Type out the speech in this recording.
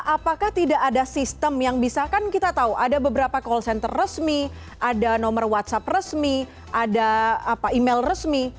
apakah tidak ada sistem yang bisa kan kita tahu ada beberapa call center resmi ada nomor whatsapp resmi ada email resmi